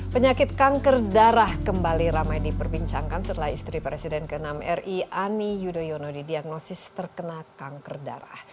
penyakit kanker darah kembali ramai diperbincangkan setelah istri presiden ke enam ri ani yudhoyono didiagnosis terkena kanker darah